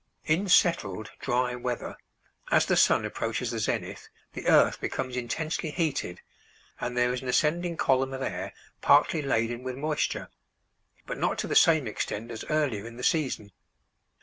In settled, dry weather as the sun approaches the zenith, the earth becomes intensely heated, and there is an ascending column of air partly laden with moisture; but not to the same extent as earlier in the season.